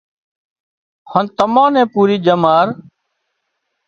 هانَ تمان نين پُوري ڄمار